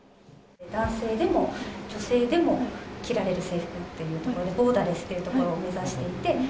男性でも女性でも着られる制服っていうところで、ボーダーレスっていうところを目指していて。